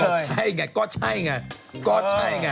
ก็ใช่ไงก็ใช่ไง